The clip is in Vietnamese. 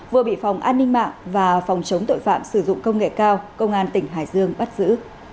vừa bị phòng an ninh mạng và phòng chống tội phạm sử dụng công nghệ cao công an tỉnh hải dương bắt giữ